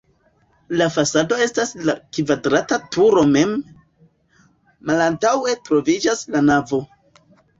La fasado estas la kvadrata turo mem, malantaŭe troviĝas la navo.